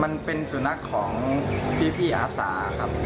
มันเป็นสุนัขของพี่อาสาครับ